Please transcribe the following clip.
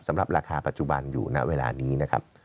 สำหรับราคาปัจจุบันอยู่ณเวลานี้นะครับ